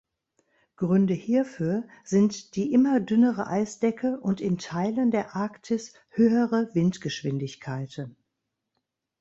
Gründe hierfür sind die immer dünnere Eisdecke und in Teilen der Arktis höhere Windgeschwindigkeiten.